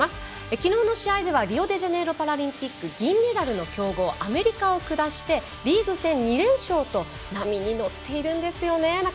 きのうの試合ではリオデジャネイロパラリンピック銀メダルの強豪アメリカを下してリーグ戦２連勝と波に乗ってるんですよね。